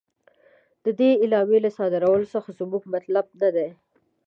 د دې اعلامیې له صادرولو څخه زموږ مطلب نه دی.